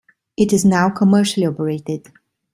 It is now commercially operated.